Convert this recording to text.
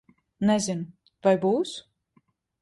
Nezinu. Vai būs?